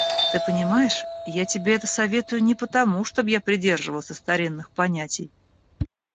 Ты понимаешь, я тебе это советую не потому, чтоб я придерживался старинных понятий.